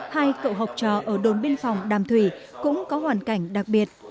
hai cậu học trò ở đồn biên phòng đàm thủy cũng có hoàn cảnh đặc biệt